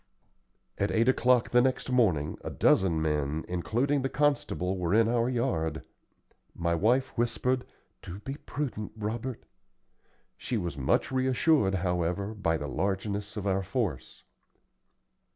At eight o'clock the next morning, a dozen men, including the constable, were in our yard. My wife whispered, "Do be prudent, Robert." She was much reassured, however, by the largeness of our force.